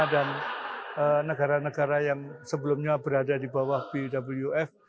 dan negara negara yang sebelumnya berada di bawah bwf